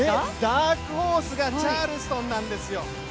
ダークホースがチャールストンなんですよ。